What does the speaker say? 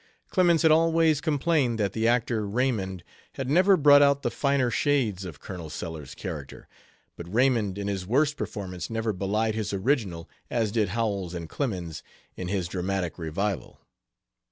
Clemens had always complained that the actor Raymond had never brought out the finer shades of Colonel Sellers's character, but Raymond in his worst performance never belied his original as did Howells and Clemens in his dramatic revival.